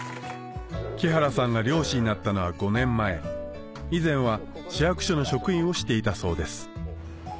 木原さんが漁師になったのは５年前以前は市役所の職員をしていたそうです